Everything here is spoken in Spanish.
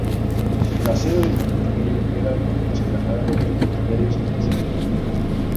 La sede del Ministerio queda en la Explanada de los Ministerios en Brasilia.